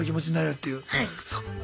そっか。